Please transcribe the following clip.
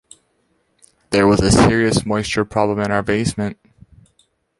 There was a serious moisture problem in our basement.